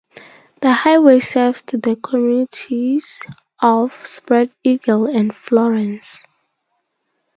The highway serves the communities of Spread Eagle and Florence.